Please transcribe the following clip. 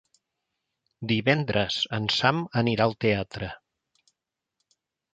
Divendres en Sam anirà al teatre.